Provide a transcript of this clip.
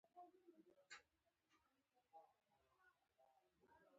د هغه وينه، د هغه مال او د هغه ابرو.